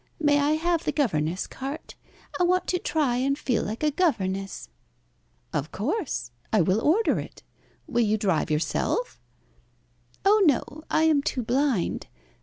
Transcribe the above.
May I have the governess cart? I want to try and feel like a governess." "Of course. I will order it. Will you drive yourself?" "Oh no, I am too blind.